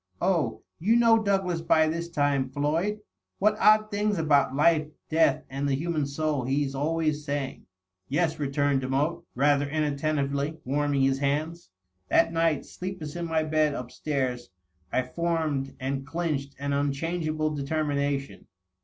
" Oh, you know Douglas by this time, Floyd — ^what odd things about life, death and the human soul he's always saying." " Yes," returned Demotte, rather inattentively, warming his hands. ... That night, sleepless in my bed upnstairs, I formed and clinched DOUGLAS DUANE. 599 an unchangeable determination.